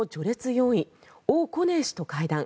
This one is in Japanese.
４位オウ・コネイ氏と会談。